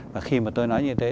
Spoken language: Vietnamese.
và khi mà tôi nói như thế